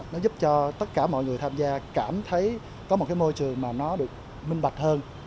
nó giúp cho tất cả mọi người tham gia cảm thấy có một cái môi trường mà nó được minh bạch hơn